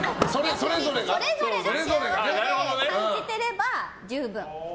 それぞれが幸せを感じてれば十分。